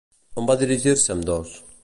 On va dirigir-se ambdós?